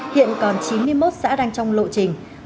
hiện còn chín mươi một xã đang trong lộ trình